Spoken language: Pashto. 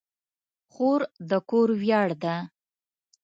خور د کور ویاړ ده.